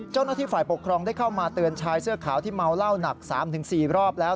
เจ้าหน้าที่ฝ่ายปกครองได้เข้ามาเตือนชายเสื้อขาวที่เมาเหล้าหนัก๓๔รอบแล้ว